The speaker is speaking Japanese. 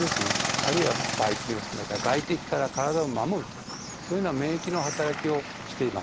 あるいはばい菌を含めた外敵から体を守るとそういうような免疫の働きをしています。